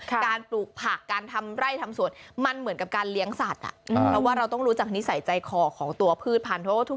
ปลูกผักการทำไร่ทำสวนมันเหมือนกับการเลี้ยงสัตว์เพราะว่าเราต้องรู้จักนิสัยใจคอของตัวพืชพันธุ